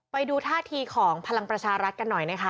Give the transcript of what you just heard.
ไปดูท่าทีของพลังประชารัฐกันหน่อยนะคะ